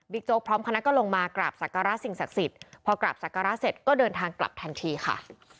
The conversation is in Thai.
โจ๊กพร้อมคณะก็ลงมากราบสักการะสิ่งศักดิ์สิทธิ์พอกราบศักระเสร็จก็เดินทางกลับทันทีค่ะ